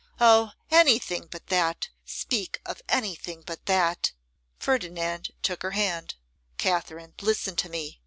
'Oh! anything but that; speak of anything but that!' Ferdinand took her hand. 'Katherine, listen to me.